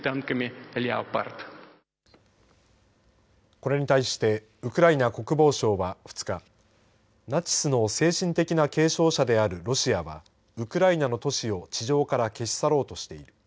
これに対してウクライナ国防省は２日ナチスの精神的な継承者であるロシアはウクライナの都市を地上から消し去ろうとしている。